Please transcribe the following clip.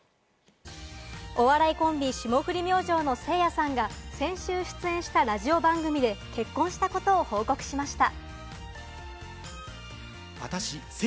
お笑いコンビ、霜降り明星のせいやさんが先週出演したラジオ番組で結婚したことを報告しました。